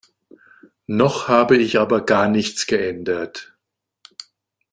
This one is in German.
Noch habe ich aber gar nichts geändert.